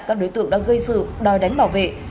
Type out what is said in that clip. các đối tượng đã gây sự đòi đánh bảo vệ